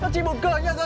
chị buồn cười